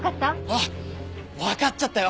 あっわかっちゃったよ。